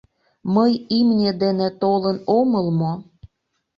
Мый имне дене толын омыл мо?